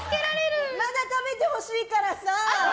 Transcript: また食べてほしいからさ。